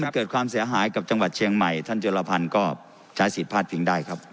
เกิดความเสียหายกับจังหวัดเชียงใหม่ท่านจุลพันธ์ก็ใช้สิทธิพลาดพิงได้ครับ